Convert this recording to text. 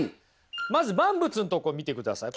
まず「万物」のとこ見てください。